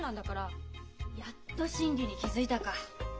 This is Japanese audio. やっと真理に気付いたか。